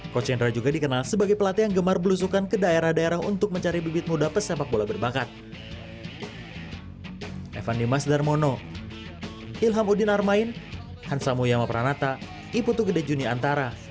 coach indra juga dikenal sebagai pelatih yang gemar belusukan ke daerah daerah untuk mencari bibit muda pesepak bola berbakat